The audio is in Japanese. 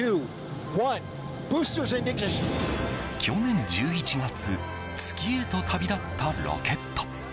去年１１月月へと旅立ったロケット。